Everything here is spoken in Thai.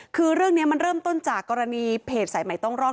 คือเรื่องนี้มันเริ่มต้นจากกรณีเพจสายใหม่ต้องรอด